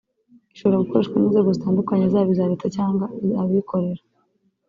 ishobora gukoreshwa n’inzego zitandukanye zaba iza leta cyangwa abikorera